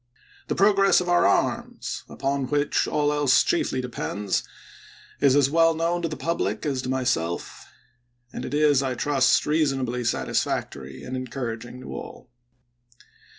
The progress of our arms, upon which all else chiefly depends, is as well known to the public as to myself ; and it is, I trust, reasonably satisfactory and encouraging to all.